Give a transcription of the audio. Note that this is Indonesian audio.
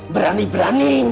berani beraninya si kendeng